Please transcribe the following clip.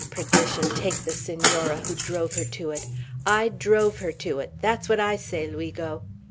Perdition take the Senora, who drove her to it! Ay, drove her to it! That's what I say, Luigo."